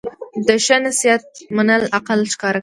د ښه نصیحت منل عقل ښکاره کوي.